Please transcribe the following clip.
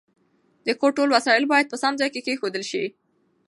د کور ټول وسایل باید په سم ځای کې کېښودل شي.